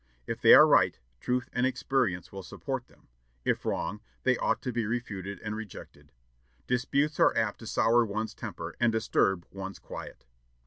If they are right, truth and experience will support them; if wrong, they ought to be refuted and rejected. Disputes are apt to sour one's temper and disturb one's quiet."